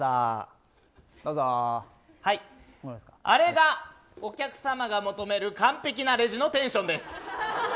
あれがお客様が求める完璧なレジのテンションです。